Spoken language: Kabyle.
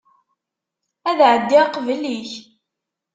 Ad εeddiɣ qbel-ik.